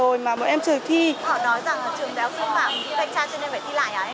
họ nói rằng trường đại học sư phạm thanh tra cho nên phải thi lại